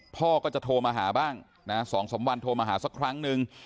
พ่อก็จะโทรมาหาบ้างนะ๒๓วันโทรมาหาสักครั้งนึง